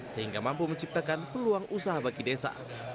sehingga mampu menciptakan peluang usaha bagi desa